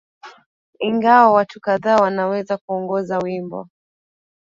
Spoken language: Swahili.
ingawa watu kadhaa wanaweza kuongoza wimbo